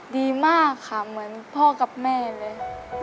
ดีมากค่ะเหมือนพ่อกับแม่เลย